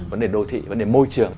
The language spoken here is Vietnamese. vấn đề đô thị vấn đề môi trường